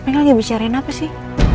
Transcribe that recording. mereka lagi bicarain apa sih